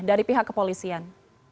dari pihak kepolisian